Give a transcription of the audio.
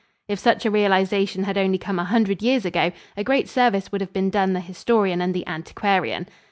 If such a realization had only come a hundred years ago, a great service would have been done the historian and the antiquarian.